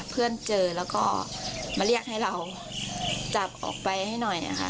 เจอแล้วก็มาเรียกให้เราจับออกไปให้หน่อยค่ะ